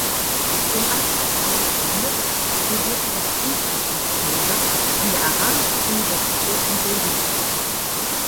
Im Anschluss an die Schule studierte er Betriebswirtschaftslehre an der Arabischen Universität in Beirut.